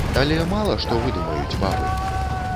Але мала што выдумаюць бабы.